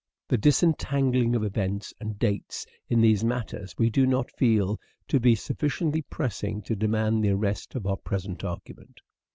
The disentangling of events and dates in these matters we do not feel to be suffi ciently pressing to demand the arrest of our present argument.